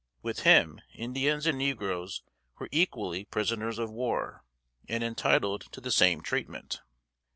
With him Indians and negroes were equally prisoners of war, and entitled to the same treatment.